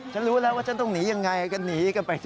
ฉันรู้แล้วว่าฉันต้องหนียังไงก็หนีกันไป